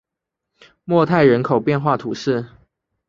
莫泰人口变化图示